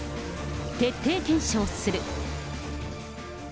徹底検証する。